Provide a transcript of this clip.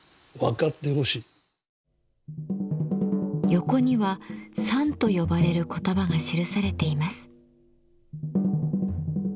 横には「賛」と呼ばれる言葉が記されています。